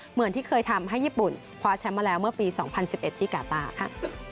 เหมือนที่เคยทำให้ญี่ปุ่นคว้าแชมป์มาแล้วเมื่อปี๒๐๑๑ที่กาต้าค่ะ